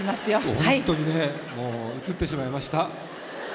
本当にもう映ってしまいました。